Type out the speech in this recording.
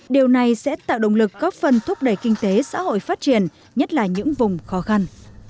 điều này sẽ tạo động lực góp phần thúc đẩy kinh tế xã hội phát triển nhất là những vùng khó khăn